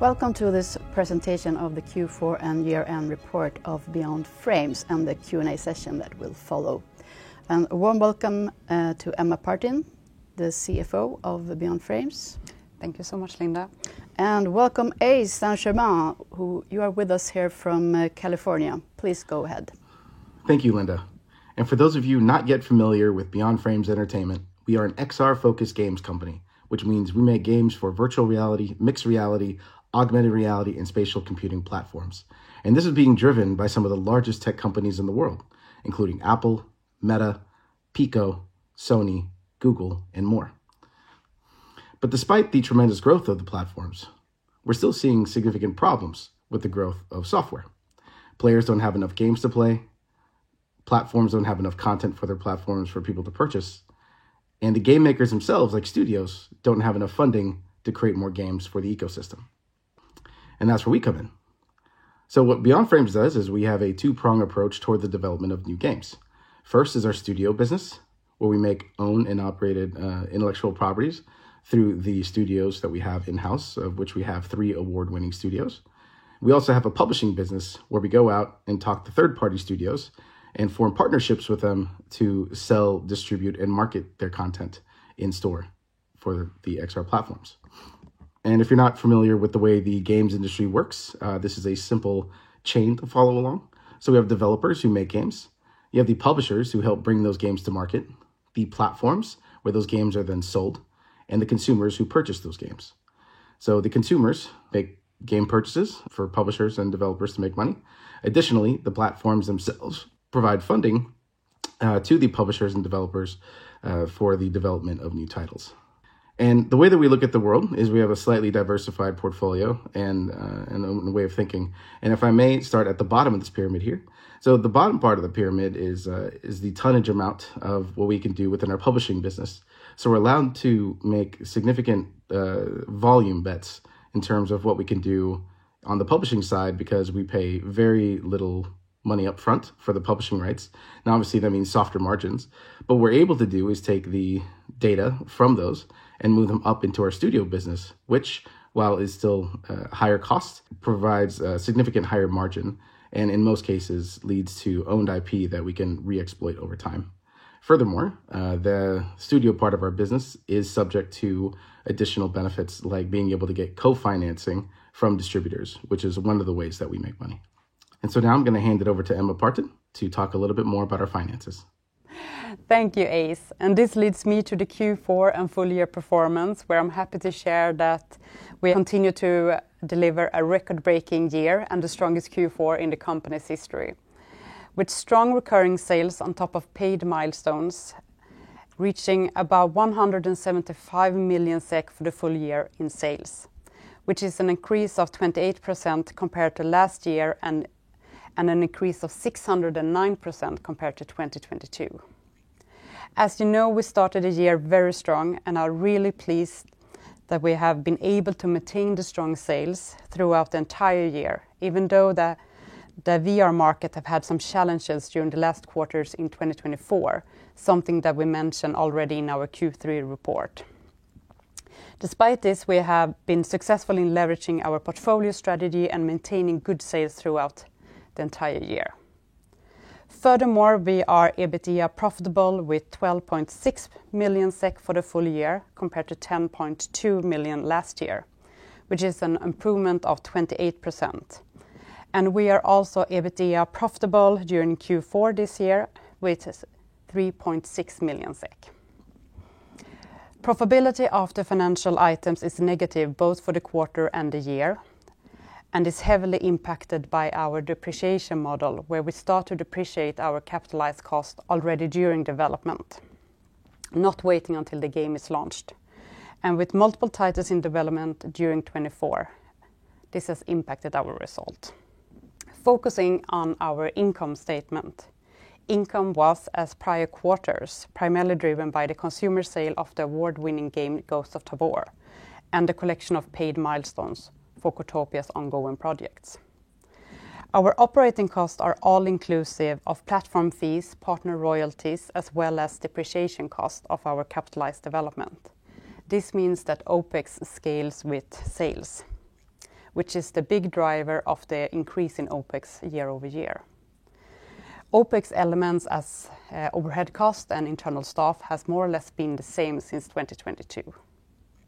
Welcome to this presentation of the Q4 and year-end report of Beyond Frames and the Q and A session that will follow. A warm welcome to Emma Partin, the CFO of Beyond Frames. Thank you so much, Linda. Welcome, Ace St. Germain, who you are with us here from California. Please go ahead. Thank you, Linda. For those of you not yet familiar with Beyond Frames Entertainment, we are an XR-focused games company, which means we make games for virtual reality, mixed reality, augmented reality, and spatial computing platforms. This is being driven by some of the largest tech companies in the world, including Apple, Meta, Pico, Sony, Google, and more. Despite the tremendous growth of the platforms, we're still seeing significant problems with the growth of software. Players do not have enough games to play. Platforms do not have enough content for their platforms for people to purchase. The game makers themselves, like studios, do not have enough funding to create more games for the ecosystem. That is where we come in. What Beyond Frames does is we have a two-pronged approach toward the development of new games. First is our studio business, where we make owned and operated intellectual properties through the studios that we have in-house, of which we have three award-winning studios. We also have a publishing business where we go out and talk to third-party studios and form partnerships with them to sell, distribute, and market their content in store for the XR platforms. If you're not familiar with the way the games industry works, this is a simple chain to follow along. We have developers who make games. You have the publishers who help bring those games to market, the platforms where those games are then sold, and the consumers who purchase those games. The consumers make game purchases for publishers and developers to make money. Additionally, the platforms themselves provide funding to the publishers and developers for the development of new titles. The way that we look at the world is we have a slightly diversified portfolio and a way of thinking. If I may start at the bottom of this pyramid here. The bottom part of the pyramid is the tonnage amount of what we can do within our publishing business. We are allowed to make significant volume bets in terms of what we can do on the publishing side because we pay very little money upfront for the publishing rights. Obviously, that means softer margins. What we are able to do is take the data from those and move them up into our studio business, which, while it is still higher cost, provides a significant higher margin and, in most cases, leads to owned IP that we can re-exploit over time. Furthermore, the studio part of our business is subject to additional benefits, like being able to get co-financing from distributors, which is one of the ways that we make money. I am going to hand it over to Emma Partin to talk a little bit more about our finances. Thank you, Ace. This leads me to the Q4 and full-year performance, where I'm happy to share that we continue to deliver a record-breaking year and the strongest Q4 in the company's history, with strong recurring sales on top of paid milestones, reaching about 175 million SEK for the full year in sales, which is an increase of 28% compared to last year and an increase of 609% compared to 2022. As you know, we started the year very strong, and I'm really pleased that we have been able to maintain the strong sales throughout the entire year, even though the VR market has had some challenges during the last quarters in 2024, something that we mentioned already in our Q3 report. Despite this, we have been successful in leveraging our portfolio strategy and maintaining good sales throughout the entire year. Furthermore, we are EBITDA profitable with 12.6 million SEK for the full year compared to 10.2 million last year, which is an improvement of 28%. We are also EBITDA profitable during Q4 this year with 3.6 million SEK. Profitability of the financial items is negative both for the quarter and the year and is heavily impacted by our depreciation model, where we start to depreciate our capitalized cost already during development, not waiting until the game is launched. With multiple titles in development during 2024, this has impacted our result. Focusing on our income statement, income was, as prior quarters, primarily driven by the consumer sale of the award-winning game Ghosts of Tabor and the collection of paid milestones for Cortopia's ongoing projects. Our operating costs are all inclusive of platform fees, partner royalties, as well as depreciation costs of our capitalized development. This means that OPEX scales with sales, which is the big driver of the increase in OPEX year over year. OPEX elements as overhead cost and internal staff have more or less been the same since 2022.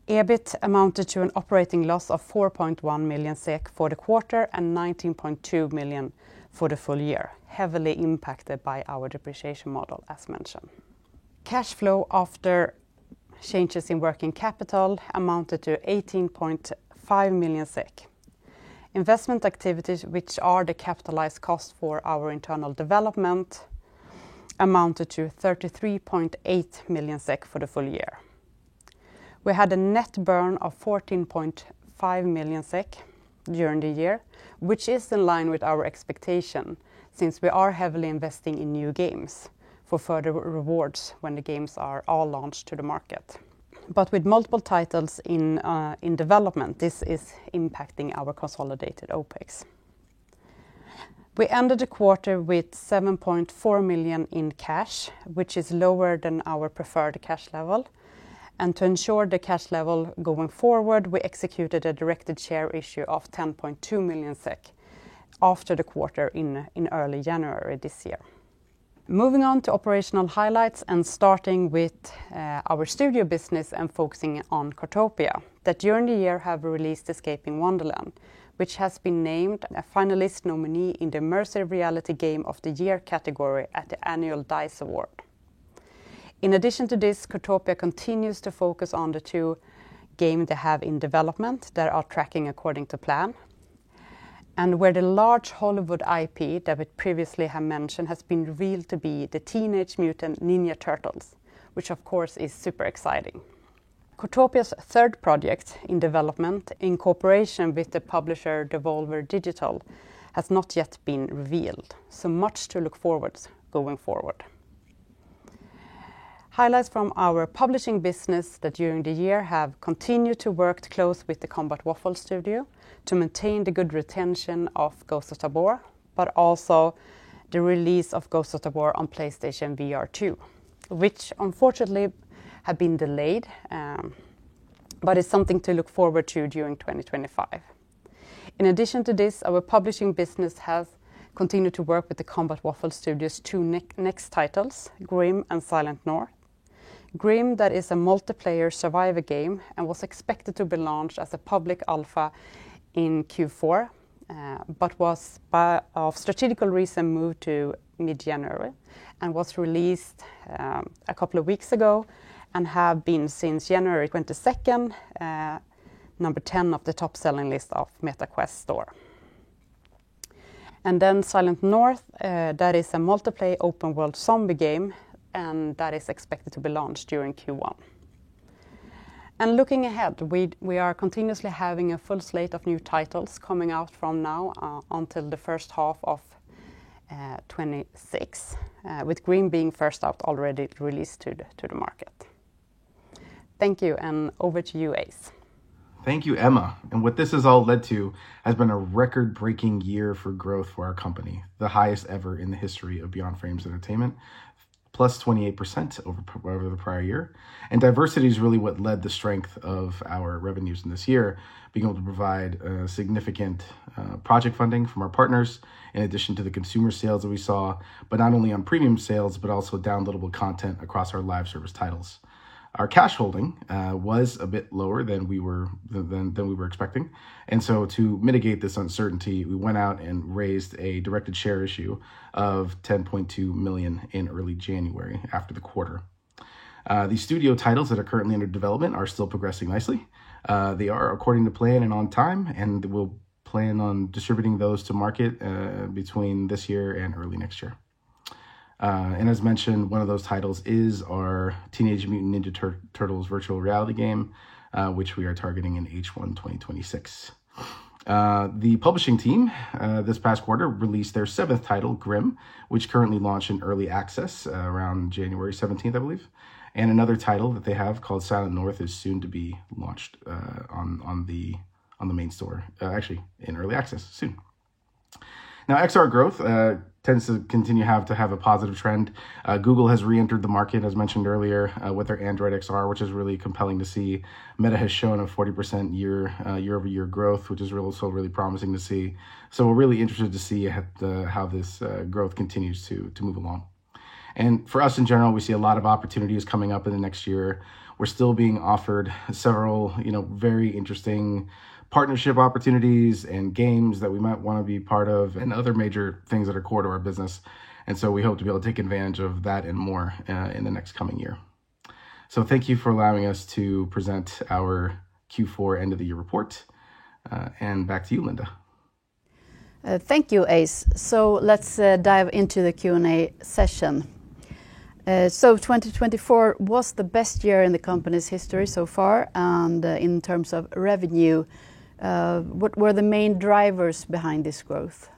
EBIT amounted to an operating loss of 4.1 million SEK for the quarter and 19.2 million for the full year, heavily impacted by our depreciation model, as mentioned. Cash flow after changes in working capital amounted to 18.5 million SEK. Investment activities, which are the capitalized cost for our internal development, amounted to 33.8 million SEK for the full year. We had a net burn of 14.5 million SEK during the year, which is in line with our expectation since we are heavily investing in new games for further rewards when the games are all launched to the market. With multiple titles in development, this is impacting our consolidated OPEX. We ended the quarter with 7.4 million in cash, which is lower than our preferred cash level. To ensure the cash level going forward, we executed a directed share issue of 10.2 million SEK after the quarter in early January this year. Moving on to operational highlights and starting with our studio business and focusing on Cortopia, that during the year have released Escaping Wonderland, which has been named a finalist nominee in theImmersive Reality Game of the Year category at the annual D.I.C.E. Award. In addition to this, Cortopia continues to focus on the two games they have in development that are tracking according to plan. Where the large Hollywood IP that we previously have mentioned has been revealed to be the Teenage Mutant Ninja Turtles, which, of course, is super exciting. Cortopia's third project in development in cooperation with the publisher Devolver Digital has not yet been revealed, so much to look forward to going forward. Highlights from our publishing business that during the year have continued to work close with the Combat Waffle Studios to maintain the good retention of Ghosts of Tabor, but also the release of Ghosts of Tabor on PlayStation VR2, which unfortunately has been delayed, but is something to look forward to during 2025. In addition to this, our publishing business has continued to work with the Combat Waffle Studios' two next titles, Grim and Silent North. Grim, that is a multiplayer survival game, was expected to be launched as a public alpha in Q4, but was, for strategical reason, moved to mid-January and was released a couple of weeks ago and has been since January 22, number 10 of the top-selling list of Meta Quest Store. Silent North, that is a multiplayer open-world zombie game, and that is expected to be launched during Q1. Looking ahead, we are continuously having a full slate of new titles coming out from now until the first half of 2026, with Grim being first out already released to the market. Thank you, and over to you, Ace. Thank you, Emma. What this has all led to has been a record-breaking year for growth for our company, the highest ever in the history of Beyond Frames Entertainment, plus 28% over the prior year. Diversity is really what led the strength of our revenues in this year, being able to provide significant project funding from our partners in addition to the consumer sales that we saw, not only on premium sales, but also downloadable content across our live service titles. Our cash holding was a bit lower than we were expecting. To mitigate this uncertainty, we went out and raised a directed share issue of 10.2 million in early January after the quarter. These studio titles that are currently under development are still progressing nicely. They are according to plan and on time, and we will plan on distributing those to market between this year and early next year. As mentioned, one of those titles is our Teenage Mutant Ninja Turtles virtual reality game, which we are targeting in H1 2026. The publishing team this past quarter released their seventh title, Grim, which currently launched in early access around January 17, I believe. Another title that they have called Silent North is soon to be launched on the main store, actually in early access soon. Now, XR growth tends to continue to have a positive trend. Google has re-entered the market, as mentioned earlier, with their Android XR, which is really compelling to see. Meta has shown a 40% year over year growth, which is also really promising to see. We are really interested to see how this growth continues to move along. For us in general, we see a lot of opportunities coming up in the next year. We're still being offered several very interesting partnership opportunities and games that we might want to be part of and other major things that are core to our business. We hope to be able to take advantage of that and more in the next coming year. Thank you for allowing us to present our Q4 end of the-year report. Back to you, Linda. Thank you, Ace. Let's dive into the Q&A session. 2024 was the best year in the company's history so far. In terms of revenue, what were the main drivers behind this growth?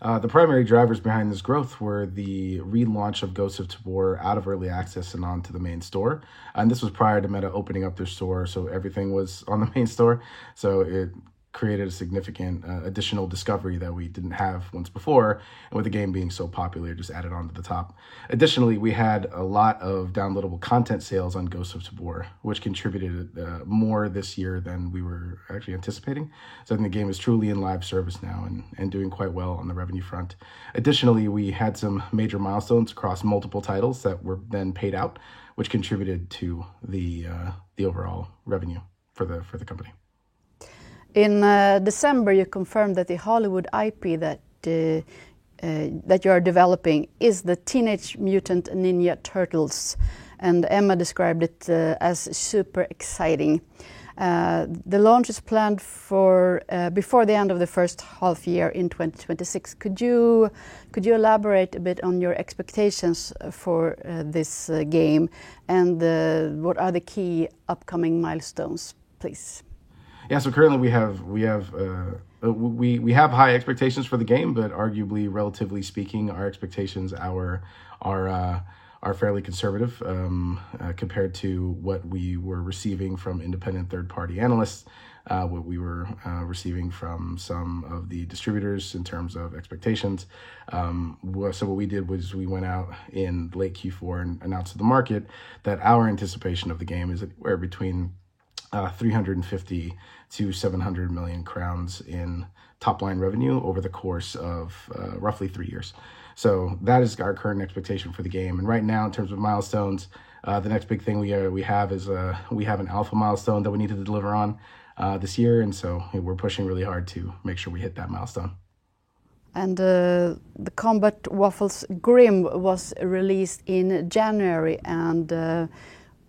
The primary drivers behind this growth were the relaunch of Ghosts of Tabor out of Early Access and onto the main store. This was prior to Meta opening up their store, so everything was on the main store. It created a significant additional discovery that we did not have once before, with the game being so popular, just added onto the top. Additionally, we had a lot of downloadable content sales on Ghosts of Tabor, which contributed more this year than we were actually anticipating. I think the game is truly in live service now and doing quite well on the revenue front. Additionally, we had some major milestones across multiple titles that were then paid out, which contributed to the overall revenue for the company. In December, you confirmed that the Hollywood IP that you are developing is the Teenage Mutant Ninja Turtles. Emma described it as super exciting. The launch is planned for before the end of the first half year in 2026. Could you elaborate a bit on your expectations for this game and what are the key upcoming milestones, please? Yeah, so currently we have high expectations for the game, but arguably, relatively speaking, our expectations are fairly conservative compared to what we were receiving from independent third-party analysts, what we were receiving from some of the distributors in terms of expectations. What we did was we went out in late Q4 and announced to the market that our anticipation of the game is between 350 million and 700 million crowns in top-line revenue over the course of roughly three years. That is our current expectation for the game. Right now, in terms of milestones, the next big thing we have is we have an alpha milestone that we need to deliver on this year. We are pushing really hard to make sure we hit that milestone. The Combat Waffle Studios Grim was released in January and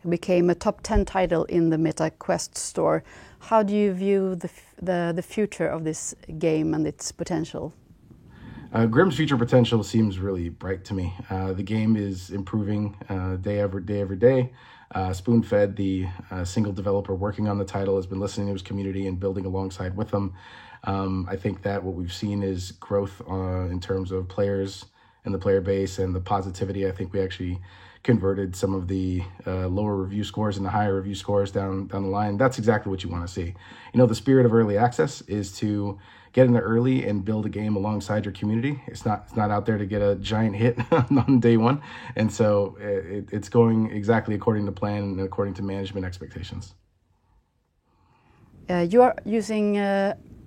became a top 10 title in the Meta Quest Store. How do you view the future of this game and its potential? Grim's future potential seems really bright to me. The game is improving day every day. Spoonfed, the single developer working on the title, has been listening to his community and building alongside with them. I think that what we've seen is growth in terms of players and the player base and the positivity. I think we actually converted some of the lower review scores and the higher review scores down the line. That's exactly what you want to see. You know, the spirit of early access is to get in there early and build a game alongside your community. It's not out there to get a giant hit on day one. It is going exactly according to plan and according to management expectations. You are using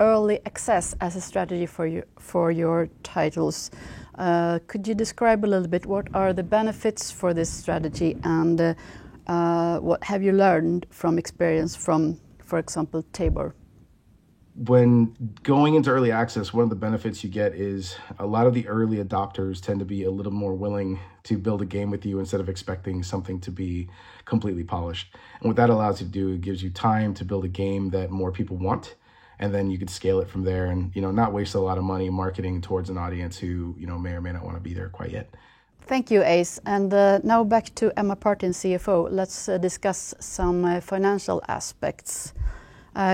Early Access as a strategy for your titles. Could you describe a little bit what are the benefits for this strategy and what have you learned from experience from, for example, Ghosts of Tabor? When going into Early Access, one of the benefits you get is a lot of the early adopters tend to be a little more willing to build a game with you instead of expecting something to be completely polished. What that allows you to do, it gives you time to build a game that more people want, and then you can scale it from there and not waste a lot of money marketing towards an audience who may or may not want to be there quite yet. Thank you, Ace. Now back to Emma Partin, CFO. Let's discuss some financial aspects.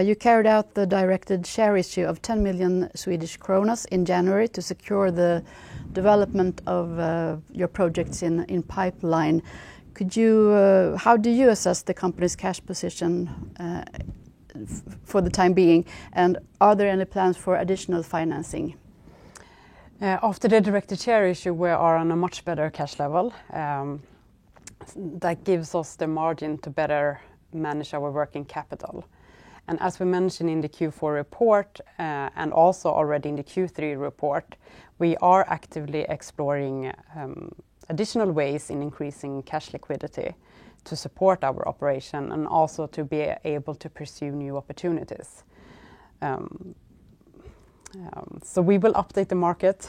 You carried out the directed share issue of 10 million Swedish kronor in January to secure the development of your projects in pipeline. How do you assess the company's cash position for the time being, and are there any plans for additional financing? After the directed share issue, we are on a much better cash level. That gives us the margin to better manage our working capital. As we mentioned in the Q4 report and also already in the Q3 report, we are actively exploring additional ways in increasing cash liquidity to support our operation and also to be able to pursue new opportunities. We will update the market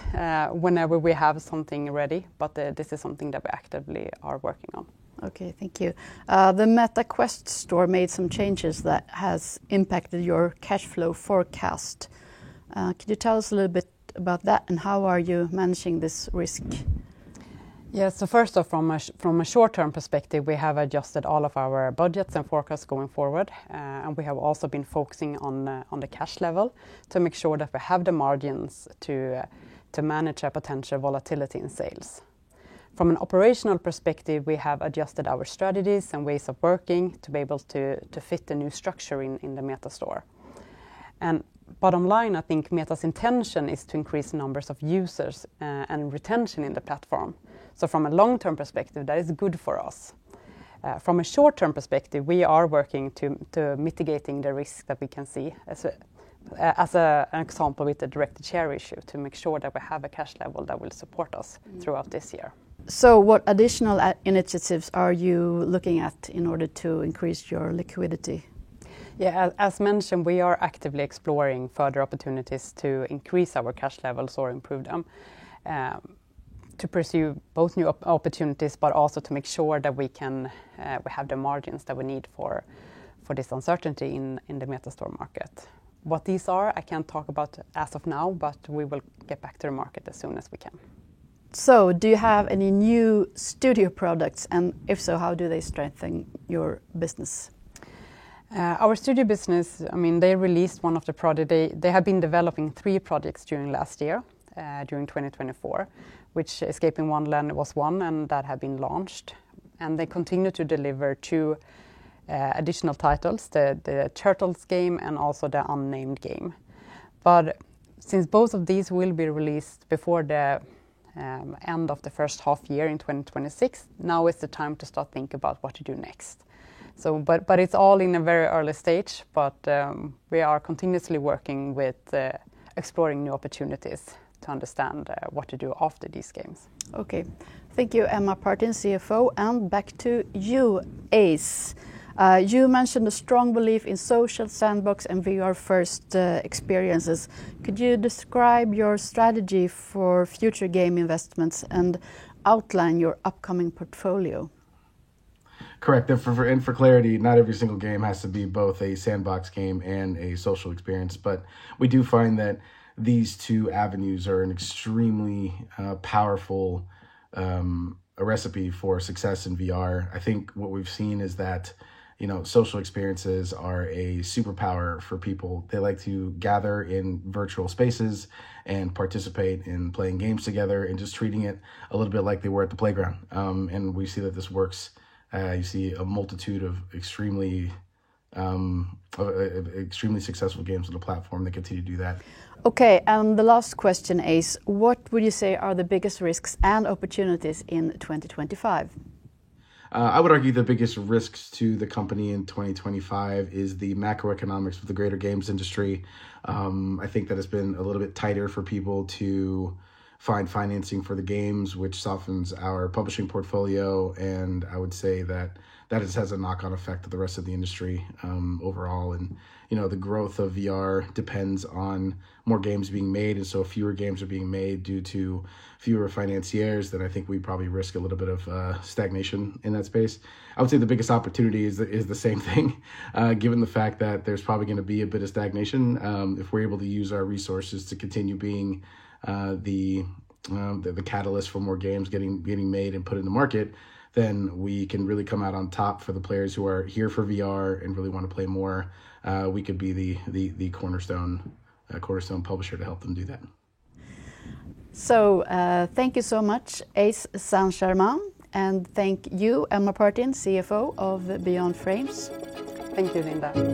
whenever we have something ready, but this is something that we actively are working on. Okay, thank you. The Meta Quest Store made some changes that have impacted your cash flow forecast. Could you tell us a little bit about that and how are you managing this risk? Yeah, so first off, from a short-term perspective, we have adjusted all of our budgets and forecasts going forward. We have also been focusing on the cash level to make sure that we have the margins to manage our potential volatility in sales. From an operational perspective, we have adjusted our strategies and ways of working to be able to fit the new structure in the Meta Store. Bottom line, I think Meta's intention is to increase numbers of users and retention in the platform. From a long-term perspective, that is good for us. From a short-term perspective, we are working to mitigate the risk that we can see as an example with the directed share issue to make sure that we have a cash level that will support us throughout this year. What additional initiatives are you looking at in order to increase your liquidity? Yeah, as mentioned, we are actively exploring further opportunities to increase our cash levels or improve them to pursue both new opportunities, but also to make sure that we have the margins that we need for this uncertainty in the Meta Store market. What these are, I can't talk about as of now, but we will get back to the market as soon as we can. Do you have any new studio products, and if so, how do they strengthen your business? Our studio business, I mean, they released one of the projects. They have been developing three projects during last year, during 2024, which Escaping Wonderland was one, and that had been launched. They continue to deliver two additional titles, the Turtles Game and also the Unnamed game. Since both of these will be released before the end of the first half year in 2026, now is the time to start thinking about what to do next. It is all in a very early stage, but we are continuously working with exploring new opportunities to understand what to do after these games. Okay, thank you, Emma Partin, CFO. Back to you, Ace. You mentioned a strong belief in social sandbox and VR-first experiences. Could you describe your strategy for future game investments and outline your upcoming portfolio? Correct. For clarity, not every single game has to be both a sandbox game and a social experience, but we do find that these two avenues are an extremely powerful recipe for success in VR. I think what we've seen is that social experiences are a superpower for people. They like to gather in virtual spaces and participate in playing games together and just treating it a little bit like they were at the playground. We see that this works. You see a multitude of extremely successful games on the platform that continue to do that. Okay, and the last question, Ace, what would you say are the biggest risks and opportunities in 2025? I would argue the biggest risks to the company in 2025 is the macroeconomics of the greater games industry. I think that it's been a little bit tighter for people to find financing for the games, which softens our publishing portfolio. I would say that that has a knock-on effect to the rest of the industry overall. The growth of VR depends on more games being made. If fewer games are being made due to fewer financiers, then I think we probably risk a little bit of stagnation in that space. I would say the biggest opportunity is the same thing, given the fact that there's probably going to be a bit of stagnation. If we're able to use our resources to continue being the catalyst for more games getting made and put in the market, then we can really come out on top for the players who are here for VR and really want to play more. We could be the cornerstone publisher to help them do that. Thank you so much, Ace St. Germain, and thank you, Emma Partin, CFO of Beyond Frames. Thank you, Linda.